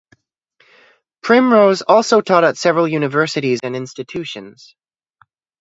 Primrose also taught at several universities and institutions.